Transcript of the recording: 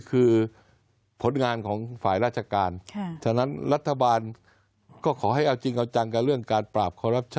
ของฝ่ายราชการฉะนั้นรัฐบาลก็ขอให้เอาจริงเอาจังกับเรื่องการปราบ